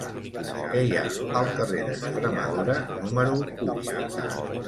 Què hi ha al carrer d'Extremadura número u?